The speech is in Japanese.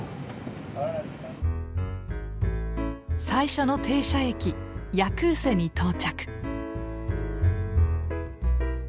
最初の停車駅ヤクーセに到着。